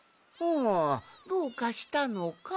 どうかしたのか？